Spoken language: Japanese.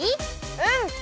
うん！